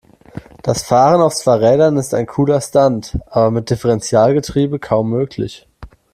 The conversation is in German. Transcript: Das Fahren auf zwei Rädern ist ein cooler Stunt, aber mit Differentialgetriebe kaum möglich.